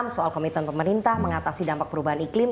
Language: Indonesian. soal komitmen pemerintah mengatasi dampak perubahan iklim